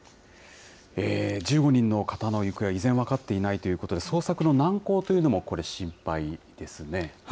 １５人の方の行方が依然分かっていないということで、捜索の難航というのも、これ、心配ですね。